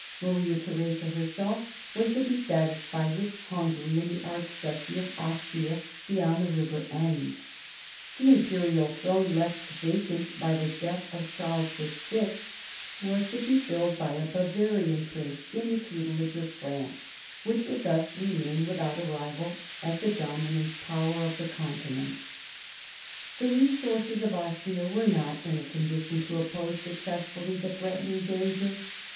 Maria Theresa herself was to be satisfied with Hungary and the archduchy of Austria beyond the river Enns. The Imperial throne, left vacant by the death of Charles VL, was to be filled by a Bavarian prince in the tutelage of France, which would thus remain without a rival as the dominant Power on the continent The resources of Austria were not in a condition to oppose successfully the threatening danger.